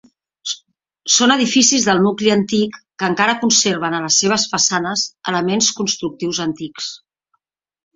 Són edificis del nucli antic que encara conserven a les seves façanes elements constructius antics.